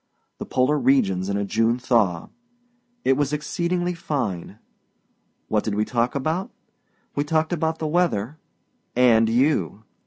The Polar Regions in a June thaw! It was exceedingly fine. What did we talk about? We talked about the weather and you!